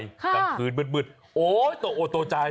กลางคืนมืดโอ๊ยโตโอโตใจ